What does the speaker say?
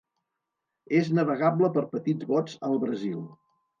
És navegable per petits bots al Brasil.